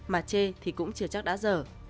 mà chê thì cũng chưa chắc đã dở